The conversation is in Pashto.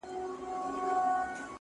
ما نیولې نن ده بس روژه د محبت په نوم,